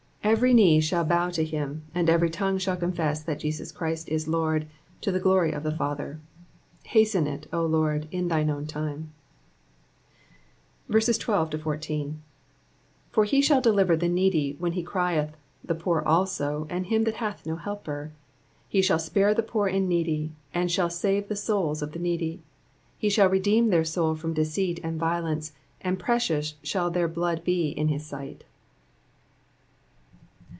'* Every knee shall bow to hirn, and every tongue shall confess that Jesus Christ is Lord, to the glory of God the Father.'' Hasten it, O Lord, in thine own time. 12 For he shall deliver the needy when he crieth ; the poor also, and ///;;/ that hath no helper. 13 He shall spare the poor and needy, and shall save the souls of the needy. 14 He shall redeem their soul from deceit and violence : and precious shall their blood be in his sight.